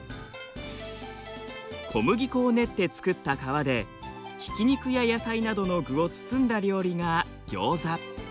小麦粉を練って作った皮でひき肉や野菜などの具を包んだ料理がギョーザ。